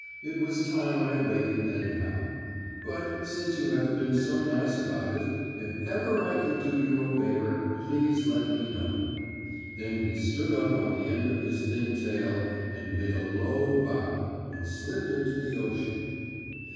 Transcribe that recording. "It was time I awakened, anyhow. But, since you have been so nice about it, if ever I can do you a favor please let me know." Then he stood up on the end of his thin tail and made a low bow, and slipped into the ocean.